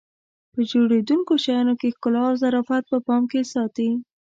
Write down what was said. په جوړېدونکو شیانو کې ښکلا او ظرافت په پام کې ساتي.